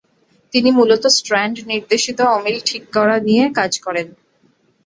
তিনি মূলত স্ট্র্যান্ড-নির্দেশিত অমিল ঠিক করা নিয়ে কাজ করেন।